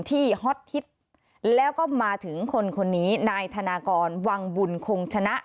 ฮอตฮิตแล้วก็มาถึงคนคนนี้นายธนากรวังบุญคงชนะ